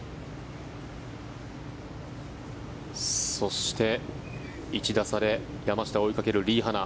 そして、１打差で山下を追いかけるリ・ハナ。